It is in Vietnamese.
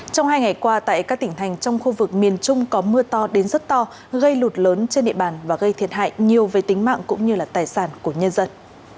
trong hai ngày qua tại các tỉnh thành trong khu vực miền trung có mưa to đến rất to gây lụt lớn trên địa bàn và gây thiệt hại nhiều về tính mạng cũng như là tài sản của nhân dân